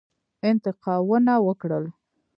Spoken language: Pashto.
انتقاونه وکړل.